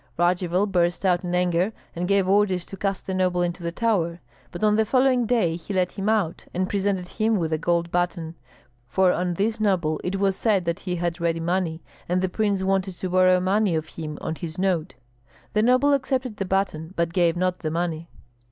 '" Radzivill burst out in anger, and gave orders to cast the noble into the tower; but on the following day he let him out and presented him with a gold button; for of this noble it was said that he had ready money, and the prince wanted to borrow money of him on his note. The noble accepted the button, but gave not the money.